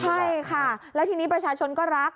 ใช่ค่ะแล้วทีนี้ประชาชนก็รัก